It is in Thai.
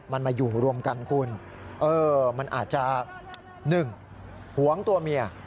มันมาอยู่รวมกันคุณมันอาจจะ๑หวงตัวเมีย